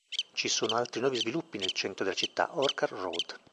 Ci sono altri nuovi sviluppi nel centro della città, Orchard Road.